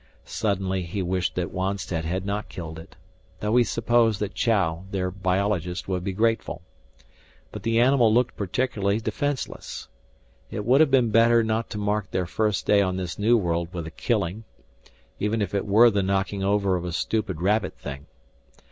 Suddenly he wished that Wonstead had not killed it, though he supposed that Chou, their biologist, would be grateful. But the animal looked particularly defenseless. It would have been better not to mark their first day on this new world with a killing even if it were the knocking over of a stupid rabbit thing.